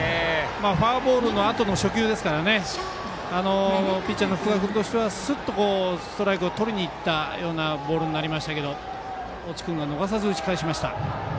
フォアボールのあとの初球ですからピッチャーの福田君としてはすっとストライクをとりにいったようなボールになりましたけど越智君が逃さず打ち返しました。